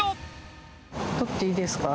撮っていいですか？